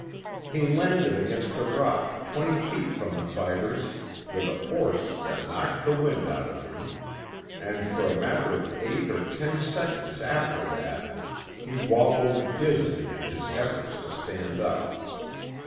He landed against a rock twenty feet from the fighters with a force that knocked the wind out of him, and for a matter of eight or ten seconds after that he wobbled dizzily in his efforts to stand up.